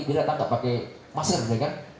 dia datang gak pakai masker